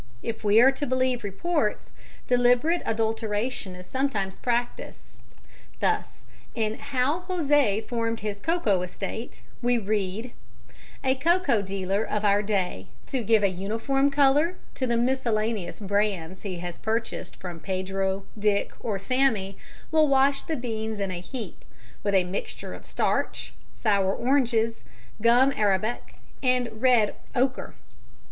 If we are to believe reports, deliberate adulteration is sometimes practised. Thus in How José formed his Cocoa Estate we read: "A cocoa dealer of our day to give a uniform colour to the miscellaneous brands he has purchased from Pedro, Dick, or Sammy will wash the beans in a heap, with a mixture of starch, sour oranges, gum arabic and red ochre.